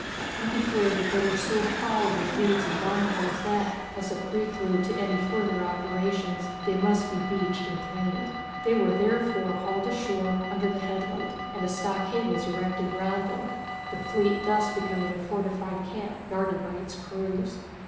He declared that they were so foul with weeds and barnacles that, as a prelude to any further operations, they must be beached and cleaned. They were therefore hauled ashore under the headland, and a stockade was erected round them, the fleet thus becoming a fortified camp guarded by its crews.